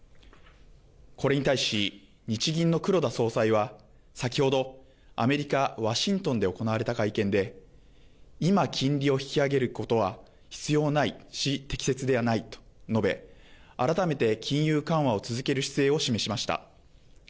これに対し、日銀の黒田総裁は先ほどアメリカ・ワシントンで行われた会見で今、金利を引き上げることは必要ないし適切ではないと述べ、改めて金融緩和を続ける姿勢を示しました。